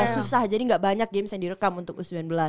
susah jadi gak banyak games yang direkam untuk u sembilan belas